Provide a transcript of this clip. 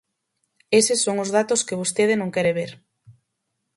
Eses son os datos que vostede non quere ver.